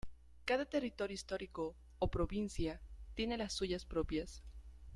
Cada territorio histórico, o provincia, tiene las suyas propias.